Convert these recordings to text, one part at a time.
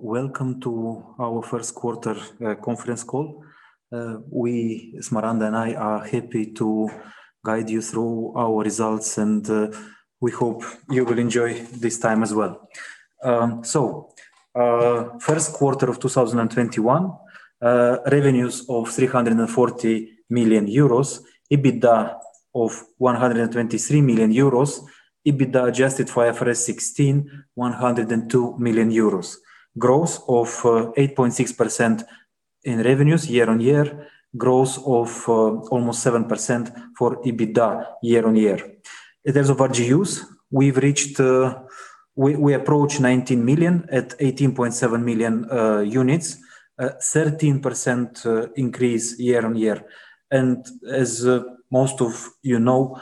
Welcome to our first quarter conference call. We, Smaranda and I, are happy to guide you through our results, and we hope you will enjoy this time as well. First quarter of 2021, revenues of 340 million euros, EBITDA of 123 million euros, EBITDA adjusted for IFRS 16, 102 million euros. Growth of 8.6% in revenues year-on-year, growth of almost 7% for EBITDA year-on-year. In terms of RGUs, we approach 19 million at 18.7 million units, 13% increase year-on-year. As most of you know,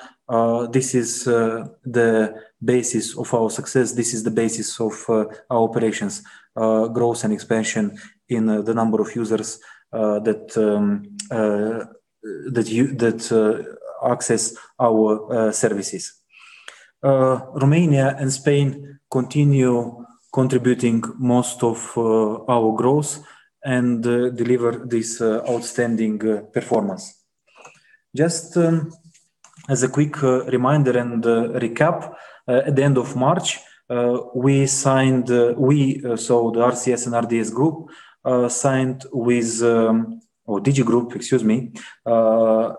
this is the basis of our success. This is the basis of our operations, growth, and expansion in the number of users that access our services. Romania and Spain continue contributing most of our growth and deliver this outstanding performance. Just as a quick reminder and recap, at the end of March, we, so the RCS & RDS Group, or Digi Group, excuse me,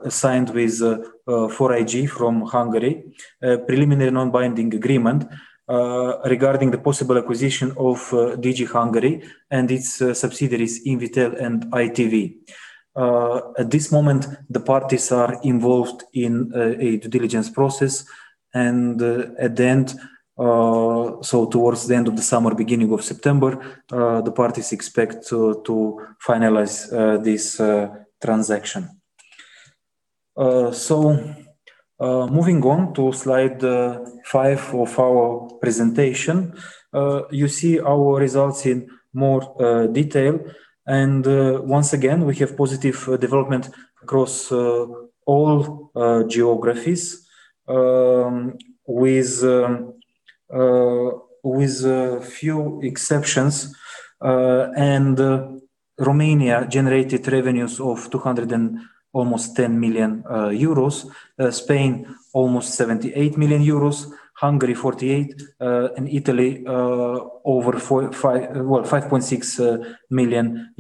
signed with 4iG from Hungary, a preliminary non-binding agreement regarding the possible acquisition of Digi Hungary and its subsidiaries, Invitel and i-TV. At this moment, the parties are involved in a due diligence process, and at the end, so towards the end of the summer, beginning of September, the parties expect to finalize this transaction. Moving on to slide five of our presentation. You see our results in more detail. Once again, we have positive development across all geographies, with few exceptions. Romania generated revenues of 209 million euros. Spain, almost 78 million euros. Hungary 48 million, and Italy, over 5.6 million.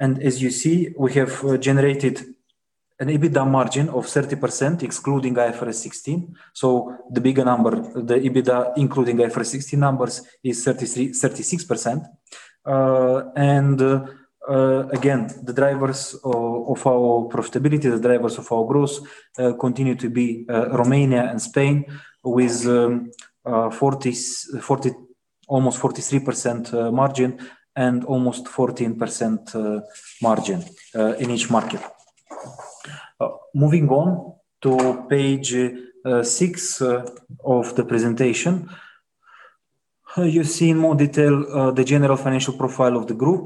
As you see, we have generated an EBITDA margin of 30%, excluding IFRS 16. The bigger number, the EBITDA including IFRS 16 numbers is 36%. Again, the drivers of our profitability, the drivers of our growth continue to be Romania and Spain with almost 43% margin and almost 14% margin in each market. Moving on to page six of the presentation. You see in more detail the general financial profile of the group.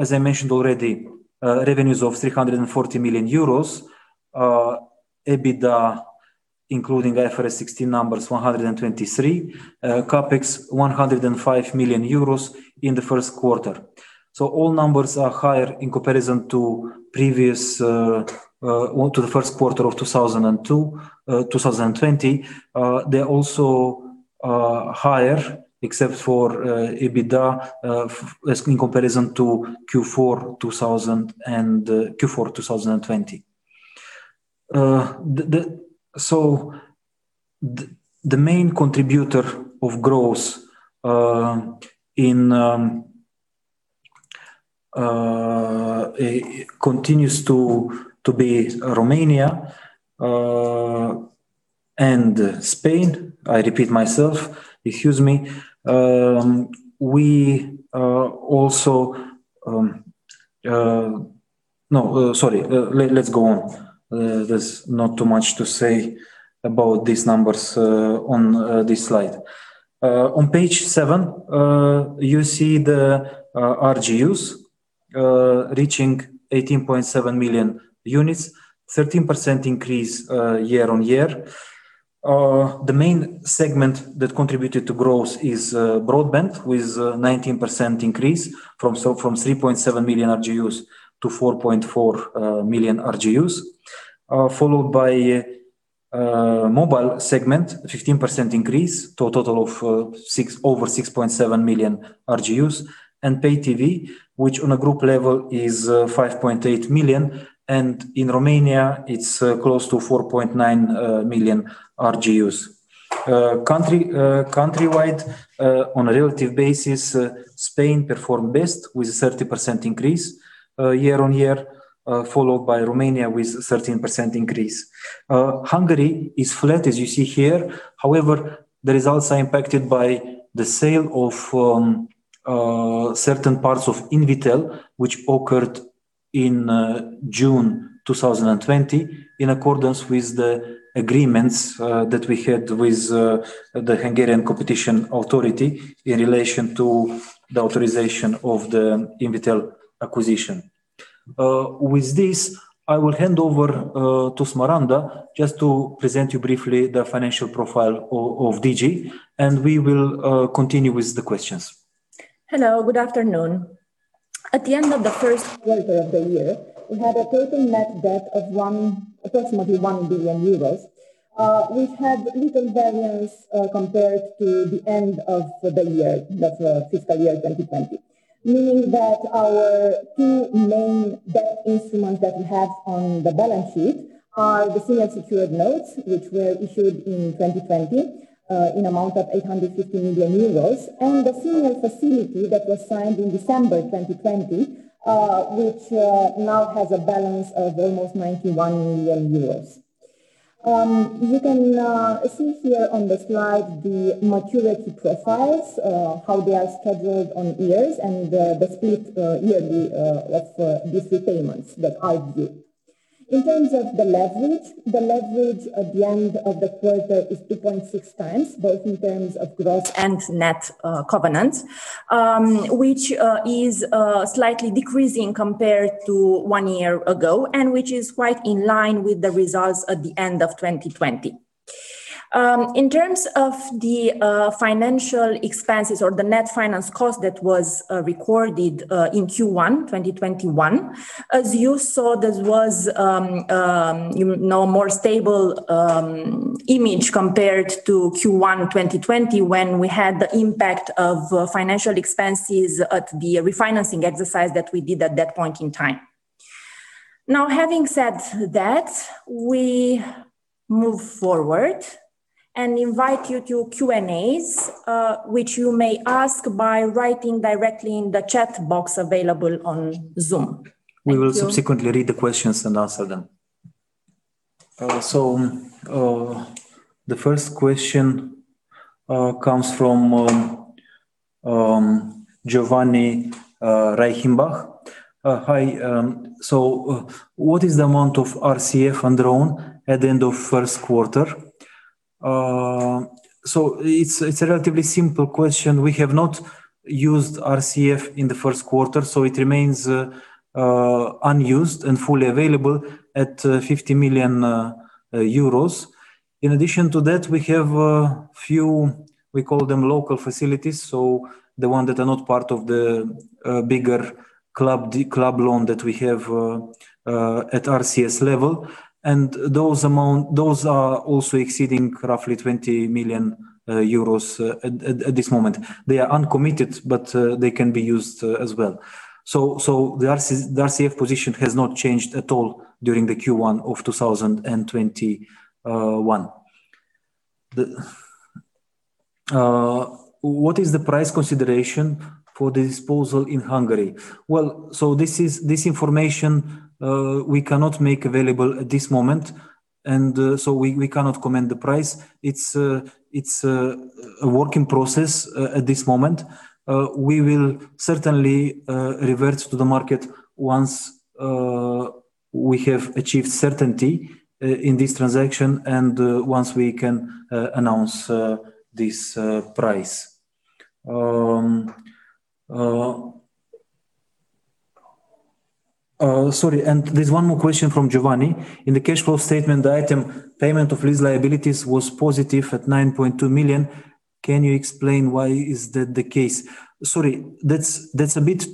As I mentioned already, revenues of 340 million euros. EBITDA, including IFRS 16 numbers, 123 million. CapEx, 105 million euros in the first quarter. All numbers are higher in comparison to the first quarter of 2020. They're also higher, except for EBITDA, in comparison to Q4 2020. The main contributor of growth continues to be Romania, and Spain. I repeat myself, excuse me. No, sorry. Let's go on. There's not too much to say about these numbers on this slide. On page seven, you see the RGUs, reaching 18.7 million units, 13% year-on-year increase. The main segment that contributed to growth is Broadband, with 19% increase from 3.7 million RGUs to 4.4 million RGUs. Followed by Mobile segment, 15% increase, to a total of over 6.7 million RGUs. Pay TV, which on a group level is 5.8 million, and in Romania it's close to 4.9 million RGUs. Countrywide, on a relative basis, Spain performed best with a 30% year-on-year increase, followed by Romania with 13% increase. Hungary is flat, as you see here. However, the results are impacted by the sale of certain parts of Invitel, which occurred in June 2020 in accordance with the agreements that we had with the Hungarian Competition Authority in relation to the authorization of the Invitel acquisition. With this, I will hand over to Smaranda just to present you briefly the financial profile of Digi, and we will continue with the questions. Hello, good afternoon. At the end of the first quarter of the year, we had a total net debt of approximately 1 billion euros. We've had little variance compared to the end of the fiscal year 2020, meaning that our two main debt instruments that we have on the balance sheet are the senior secured notes, which were issued in 2020 in amount of 850 million euros, and the senior facility that was signed in December 2020, which now has a balance of almost EUR 91 million. You can see here on the slide the maturity profiles, how they are scheduled on years, and the split yearly of these repayments that are due. In terms of the leverage, the leverage at the end of the quarter is 2.6x, both in terms of gross and net covenants, which is slightly decreasing compared to one year ago, and which is quite in line with the results at the end of 2020. In terms of the financial expenses or the net finance cost that was recorded in Q1 2021, as you saw, that was more stable in magnitude compared to Q1 2020, when we had the impact of financial expenses at the refinancing exercise that we did at that point in time. Now, having said that, we move forward and invite you to Q&As, which you may ask by writing directly in the chat box available on Zoom. Thank you. We will subsequently read the questions and answer them. The first question comes from Giovanni Raicimbach. Hi, so what is the amount of RCF undrawn at the end of first quarter? It's a relatively simple question. We have not used RCF in the first quarter, so it remains unused and fully available at 50 million euros. In addition to that, we have a few, we call them local facilities, so the ones that are not part of the bigger club loan that we have at RCS level. Those are also exceeding roughly 20 million euros at this moment. They are uncommitted, but they can be used as well. The RCF position has not changed at all during the Q1 of 2021. What is the price consideration for the disposal in Hungary? Well, this information we cannot make available at this moment, and we cannot comment on the price. It's a work in progress at this moment. We will certainly revert to the market once we have achieved certainty in this transaction and once we can announce this price. Sorry, there's one more question from Giovanni. In the cash flow statement, the item payment of lease liabilities was positive at +9.2 million. Can you explain why that is the case? Sorry, that's a bit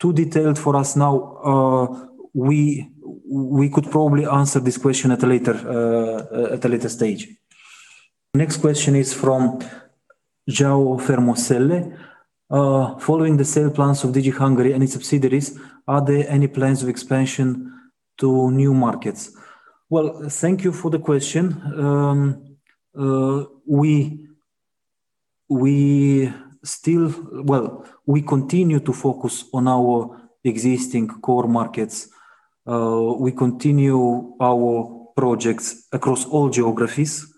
too detailed for us now. We could probably answer this question at a later stage. Next question is from João Fermoselle. Following the sale plans of Digi Hungary and its subsidiaries, are there any plans of expansion to new markets? Well, thank you for the question. We continue to focus on our existing core markets. We continue our projects across all geographies,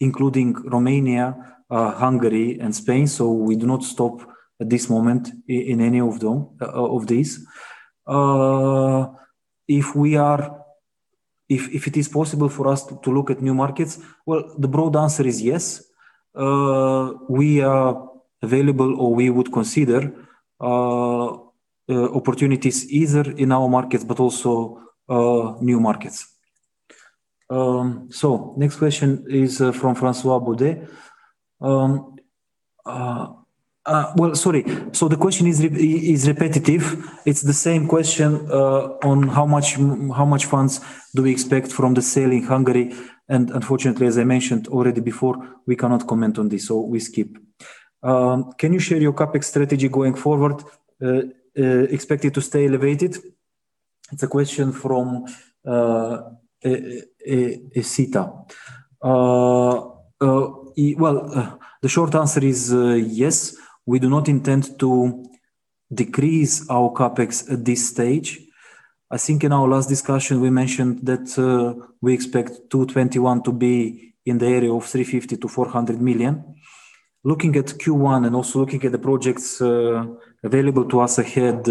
including Romania, Hungary, and Spain. We do not stop at this moment in any of these. If it is possible for us to look at new markets, well, the broad answer is yes. We are available, or we would consider opportunities either in our markets, but also new markets. Next question is from François Beaudet. Well, sorry. The question is repetitive. It's the same question on how much funds do we expect from the sale in Hungary. Unfortunately, as I mentioned already before, we cannot comment on this, so we skip. Can you share your CapEx strategy going forward? Expected to stay elevated? It's a question from István. Well, the short answer is yes. We do not intend to decrease our CapEx at this stage. I think in our last discussion, we mentioned that we expect 2021 to be in the area of 350 million-400 million. Looking at Q1 and also looking at the projects available to us ahead,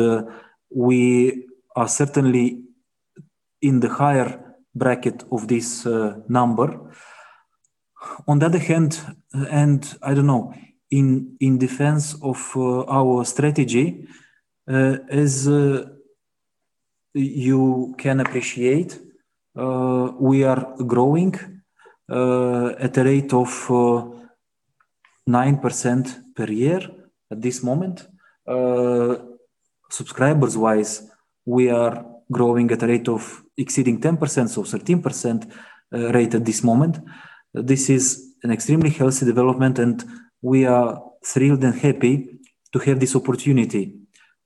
we are certainly in the higher bracket of this number. On the other hand, and I don't know, in defense of our strategy, as you can appreciate, we are growing at a rate of 9% per year at this moment. Subscriber-wise, we are growing at a rate of exceeding 10%, so 13% rate at this moment. This is an extremely healthy development, and we are thrilled and happy to have this opportunity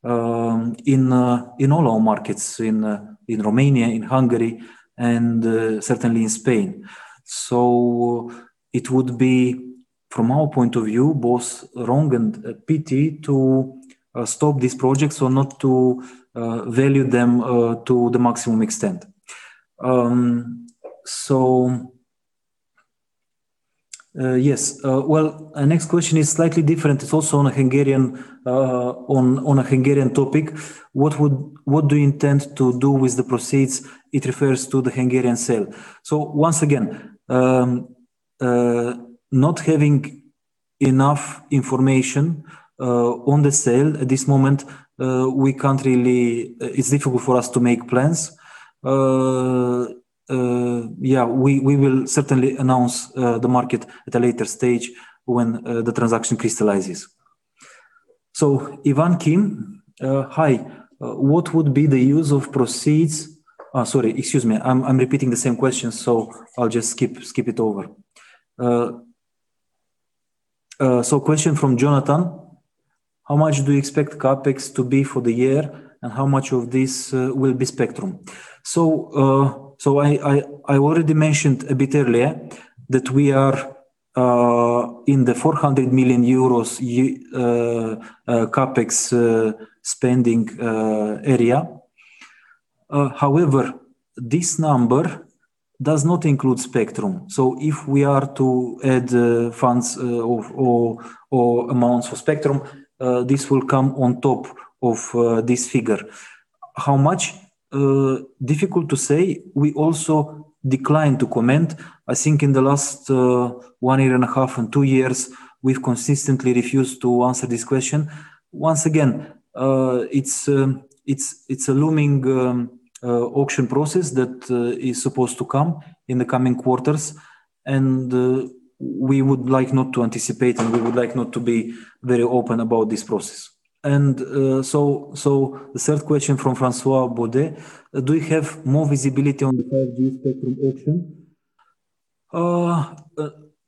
in all our markets, in Romania, in Hungary, and certainly in Spain. It would be, from our point of view, both wrong and a pity to stop these projects or not to value them to the maximum extent. Yes. Well, next question is slightly different. It's also on a Hungarian topic. What do you intend to do with the proceeds? It refers to the Hungarian sale. Once again, not having enough information on the sale at this moment, it's difficult for us to make plans. We will certainly announce the market at a later stage when the transaction crystallizes. Ivan Kim. Hi. What would be the use of proceeds? Sorry, excuse me, I'm repeating the same question, so I'll just skip it over. Question from Jonathan. How much do you expect CapEx to be for the year, and how much of this will be spectrum? I already mentioned a bit earlier that we are in the 400 million euros CapEx spending area. However, this number does not include spectrum. If we are to add funds or amounts for spectrum, this will come on top of this figure. How much? Difficult to say. We also decline to comment. I think in the last 1.5 years and 2 years, we've consistently refused to answer this question. Once again, it's a looming auction process that is supposed to come in the coming quarters. We would like not to anticipate, and we would like not to be very open about this process. The third question from François Beaudet. Do you have more visibility on the 5G spectrum auction?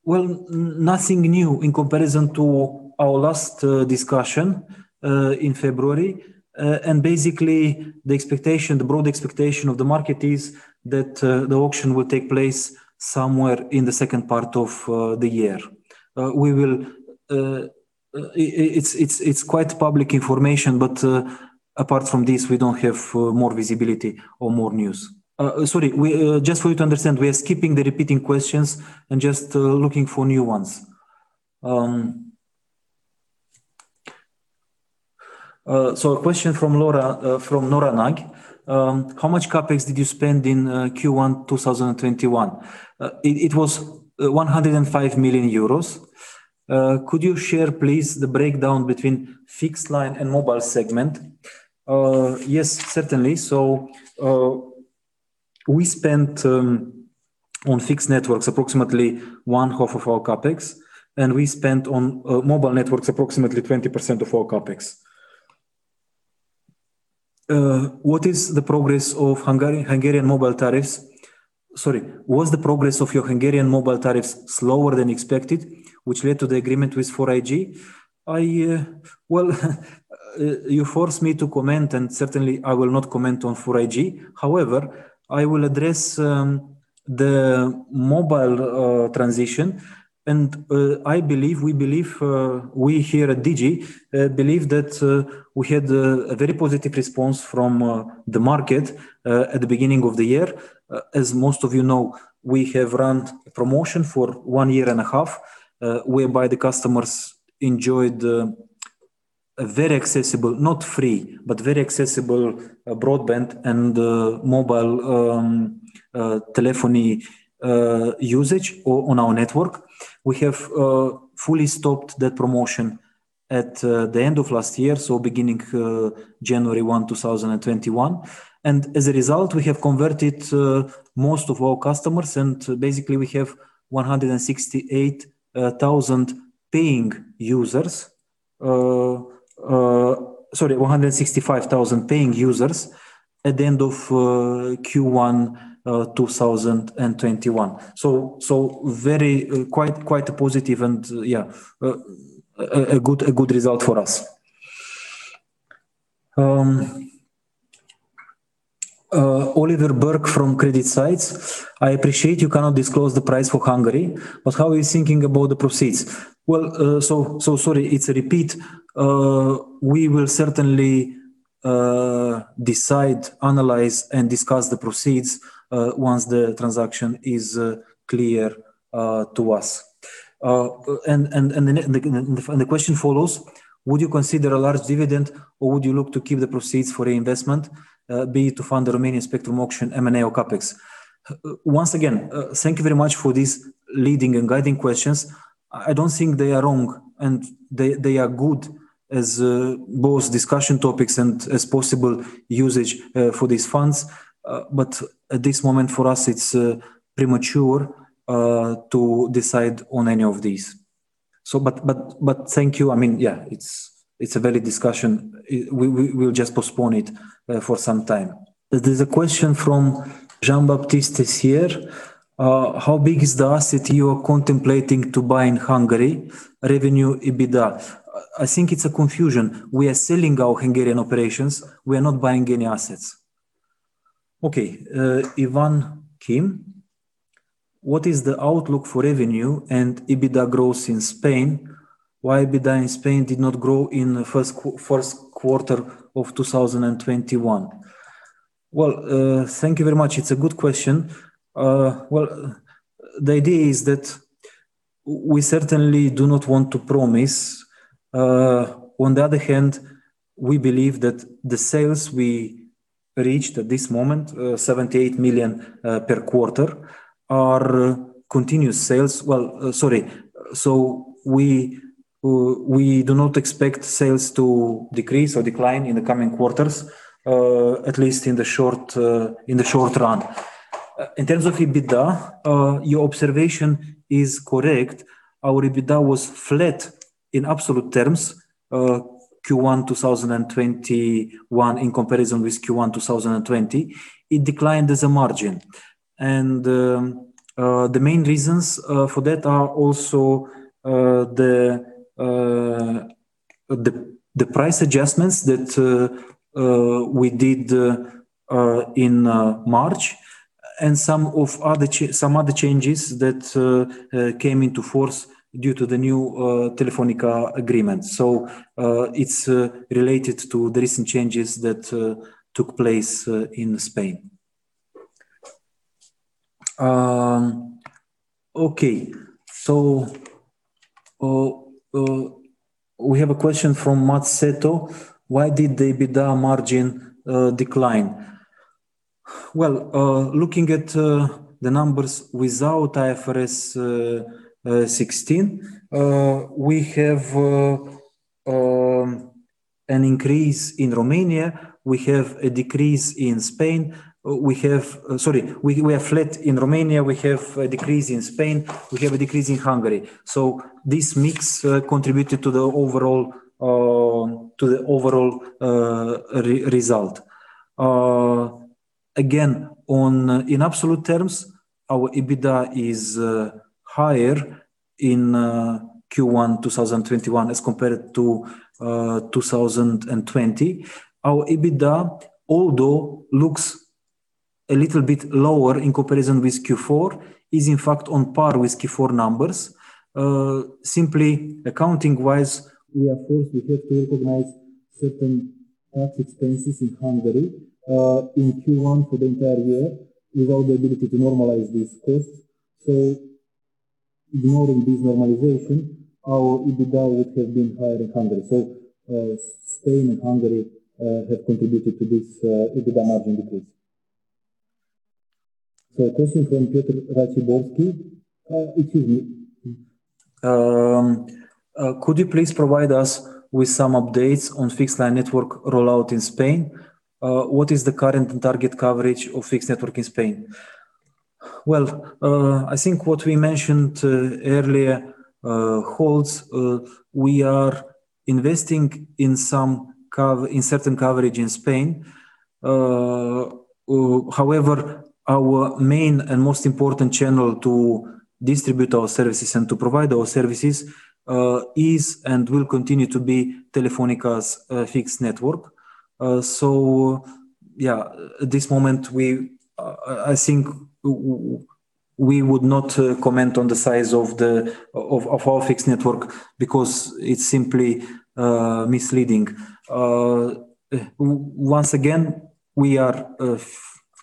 Well, nothing new in comparison to our last discussion in February. Basically the broad expectation of the market is that the auction will take place somewhere in the second part of the year. It's quite public information, but apart from this, we don't have more visibility or more news. Sorry, just for you to understand, we are skipping the repeating questions and just looking for new ones. A question from Nora Nag. How much CapEx did you spend in Q1 2021? It was 105 million euros. Could you share, please, the breakdown between fixed line and mobile segment? Yes, certainly. We spent on fixed networks approximately one half of our CapEx, and we spent on mobile networks approximately 20% of our CapEx. Sorry, was the progress of your Hungarian mobile tariffs slower than expected, which led to the agreement with 4iG? Well, you force me to comment, and certainly I will not comment on 4iG. However, I will address the mobile transition. We here at Digi believe that we had a very positive response from the market at the beginning of the year. As most of you know, we have run promotion for one year and a half, whereby the customers enjoyed a very accessible, not free, but very accessible broadband and mobile telephony usage on our network. We have fully stopped that promotion at the end of last year, so beginning January 1, 2021. As a result, we have converted most of our customers, and basically we have 168,000 paying users. Sorry, 165,000 paying users at the end of Q1 2021. Quite positive and a good result for us. Oliver Burke from CreditSights. I appreciate you cannot disclose the price for Hungary, but how are you thinking about the proceeds? Well, so sorry, it's a repeat. We will certainly decide, analyze, and discuss the proceeds once the transaction is clear to us. The question follows: would you consider a large dividend, or would you look to keep the proceeds for reinvestment, be it to fund the Romanian spectrum auction, M&A, or CapEx? Once again, thank you very much for these leading and guiding questions. I don't think they are wrong, and they are good as both discussion topics and as possible usage for these funds. At this moment, for us, it's premature to decide on any of these. Thank you. It's a valid discussion. We'll just postpone it for some time. There's a question from Jean-Baptiste Teissier. How big is the asset you are contemplating to buy in Hungary? Revenue, EBITDA. I think it's a confusion. We are selling our Hungarian operations. We are not buying any assets. Okay. What is the outlook for revenue and EBITDA growth in Spain? Why EBITDA in Spain did not grow in the first quarter of 2021? Well, thank you very much. It's a good question. The idea is that we certainly do not want to promise. On the other hand, we believe that the sales we reached at this moment, 78 million per quarter, are continuous sales. Sorry. We do not expect sales to decrease or decline in the coming quarters, at least in the short run. In terms of EBITDA, your observation is correct. Our EBITDA was flat in absolute terms, Q1 2021 in comparison with Q1 2020. It declined as a margin. The main reasons for that are also the price adjustments that we did in March and some other changes that came into force due to the new Telefónica agreement. It's related to the recent changes that took place in Spain. Okay. We have a question from Matt Seto. Why did the EBITDA margin decline? Well, looking at the numbers without IFRS 16, we have an increase in Romania. We have a decrease in Spain. Sorry. We are flat in Romania. We have a decrease in Spain. We have a decrease in Hungary. This mix contributed to the overall result. Again, in absolute terms, our EBITDA is higher in Q1 2021 as compared to 2020. Our EBITDA, although looks a little bit lower in comparison with Q4, is in fact on par with Q4 numbers. Simply accounting-wise, we are forced, we have to recognize certain ad expenses in Hungary in Q1 for the entire year without the ability to normalize these costs. Ignoring this normalization, our EBITDA would have been higher in Hungary. Spain and Hungary have contributed to this EBITDA margin decrease. A question from Peter Raciborski. Excuse me. Could you please provide us with some updates on fixed line network rollout in Spain? What is the current and target coverage of fixed network in Spain? Well, I think what we mentioned earlier holds. We are investing in certain coverage in Spain. However, our main and most important channel to distribute our services and to provide our services is and will continue to be Telefónica's fixed network. Yeah, at this moment, I think we would not comment on the size of our fixed network because it's simply misleading. Once again, we are,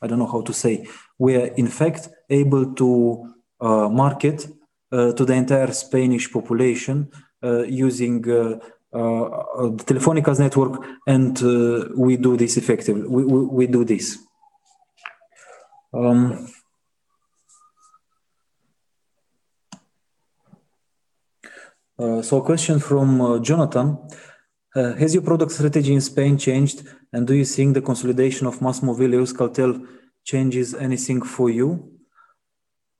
I don't know how to say, in fact, able to market to the entire Spanish population using Telefónica's network. We do this effectively. A question from Jonathan. Has your product strategy in Spain changed, and do you think the consolidation of MásMóvil-Euskaltel changes anything for you?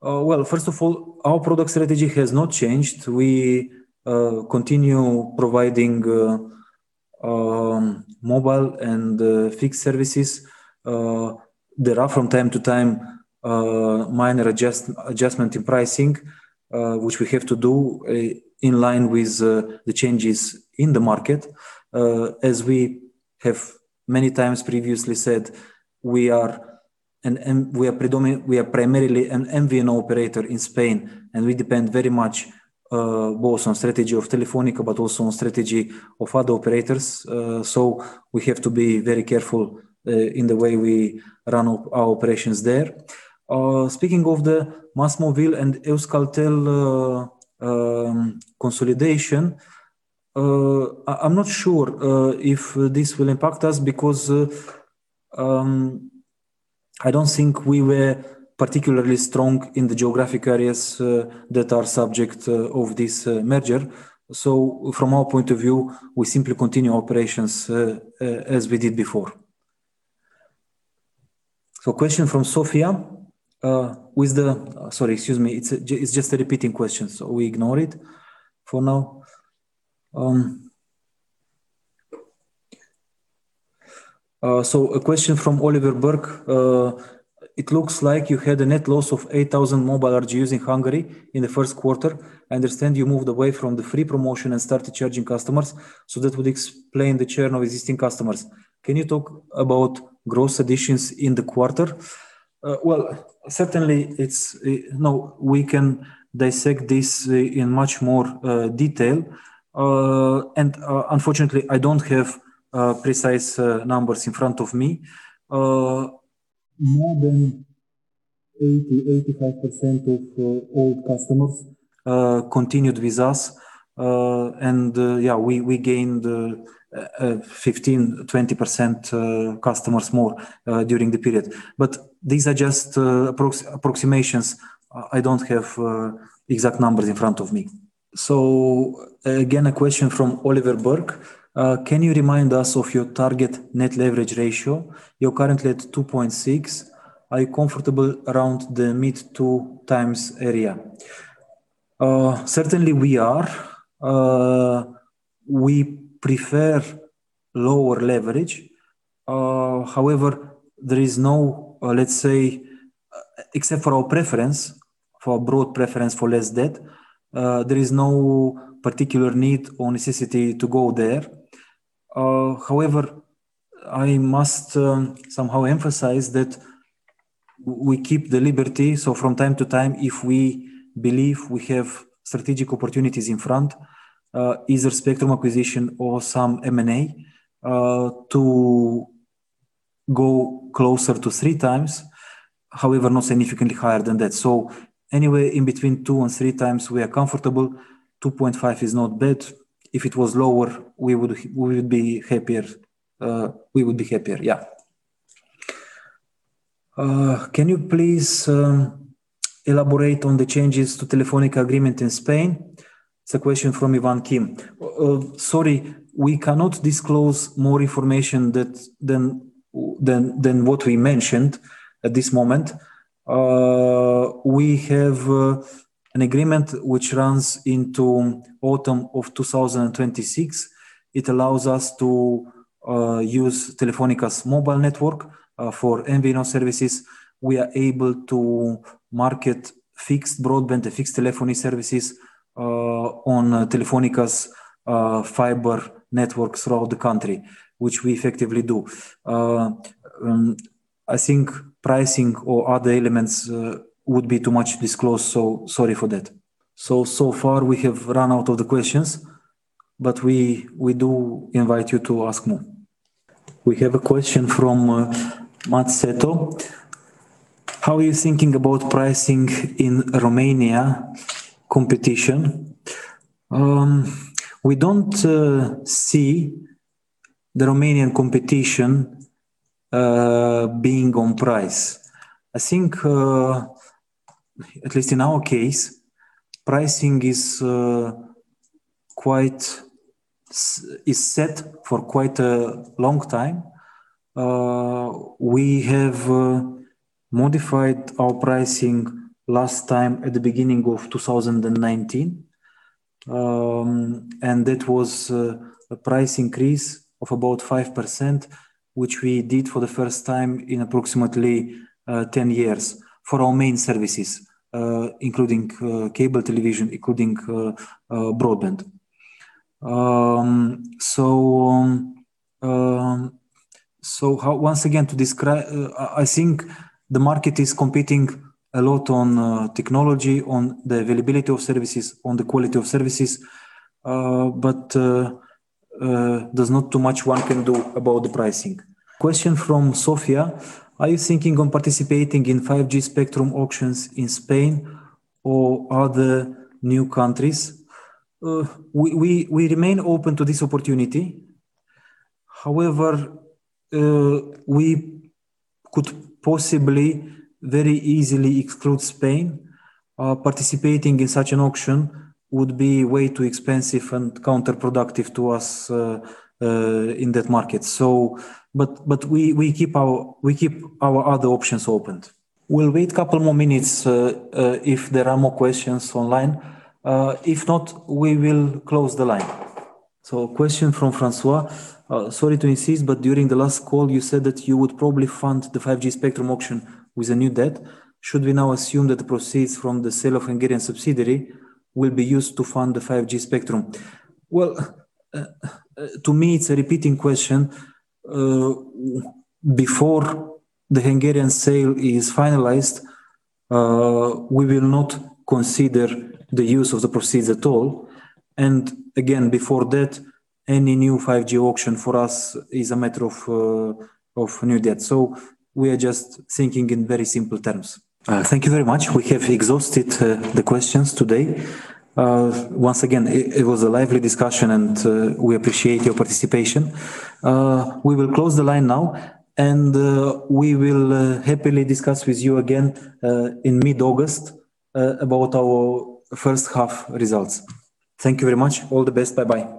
Well, first of all, our product strategy has not changed. We continue providing mobile and fixed services. There are from time to time minor adjustment in pricing, which we have to do in line with the changes in the market. As we have many times previously said, we are primarily an MVNO operator in Spain, and we depend very much both on strategy of Telefónica but also on strategy of other operators. So we have to be very careful in the way we run our operations there. Speaking of the MásMóvil and Euskaltel consolidation. I'm not sure if this will impact us because I don't think we were particularly strong in the geographic areas that are subject of this merger. From our point of view, we simply continue operations as we did before. Question from Sophia. Sorry, excuse me. It's just a repeating question, so we ignore it for now. A question from Oliver Burke. It looks like you had a net loss of 8,000 mobile RGUs in Hungary in the first quarter. I understand you moved away from the free promotion and started charging customers, so that would explain the churn of existing customers. Can you talk about gross additions in the quarter? Well, certainly we can dissect this in much more detail. Unfortunately, I don't have precise numbers in front of me. More than 80%-85% of old customers continued with us. Yeah, we gained 15%-20% customers more during the period. These are just approximations. I don't have exact numbers in front of me. Again, a question from Oliver Burke. Can you remind us of your target net leverage ratio? You're currently at 2.6x. Are you comfortable around the mid-2x area? Certainly, we are. We prefer lower leverage. However, there is no, let's say, except for our preference, for broad preference for less debt, there is no particular need or necessity to go there. However, I must somehow emphasize that we keep the liberty, so from time to time, if we believe we have strategic opportunities in front, either spectrum acquisition or some M&A, to go closer to 3x, however, not significantly higher than that. So anywhere in between 2x and 3x, we are comfortable. 2.5x is not bad. If it was lower, we would be happier. Yeah. Can you please elaborate on the changes to Telefónica agreement in Spain? It's a question from Ivan Kim. Sorry, we cannot disclose more information than what we mentioned at this moment. We have an agreement which runs into autumn of 2026. It allows us to use Telefónica's mobile network for MVNO services. We are able to market fixed broadband to fixed telephony services on Telefónica's fiber network throughout the country, which we effectively do. I think pricing or other elements would be too much disclosed, so sorry for that. So far we have run out of the questions, but we do invite you to ask more. We have a question from Matt Seto. How are you thinking about pricing in Romanian competition? We don't see the Romanian competition being on price. I think at least in our case, pricing is set for quite a long time. We have modified our pricing last time at the beginning of 2019. That was a price increase of about 5%, which we did for the first time in approximately 10 years for our main services including cable television, including broadband. Once again, I think the market is competing a lot on technology, on the availability of services, on the quality of services. There's not too much one can do about the pricing. Question from Sophia. Are you thinking on participating in 5G spectrum auctions in Spain or other new countries? We remain open to this opportunity. However, we could possibly very easily exclude Spain. Participating in such an auction would be way too expensive and counterproductive to us in that market. We keep our other options opened. We'll wait a couple more minutes if there are more questions online. If not, we will close the line. Question from François. Sorry to insist, but during the last call, you said that you would probably fund the 5G spectrum auction with a new debt. Should we now assume that the proceeds from the sale of Hungarian subsidiary will be used to fund the 5G spectrum? Well, to me, it's a repeating question. Before the Hungarian sale is finalized, we will not consider the use of the proceeds at all. Again, before that, any new 5G auction for us is a matter of new debt. We are just thinking in very simple terms. Thank you very much. We have exhausted the questions today. Once again, it was a lively discussion, and we appreciate your participation. We will close the line now, and we will happily discuss with you again in mid-August about our first half results. Thank you very much. All the best. Bye-bye.